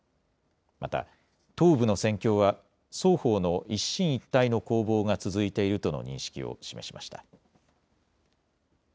また、東部の戦況は双方の一進一退の攻防が続いているとの認識を示しました。